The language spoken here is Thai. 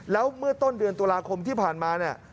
แล้วเมื่อต้นเดือนตุลาคมที่ผ่านมาเนี่ย